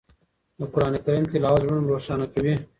د قرآن کریم تلاوت زړونه روښانه کوي.